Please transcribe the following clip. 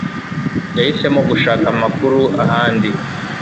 Yahisemo gushaka amakuru ahandi